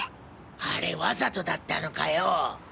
あれワザとだったのかよ？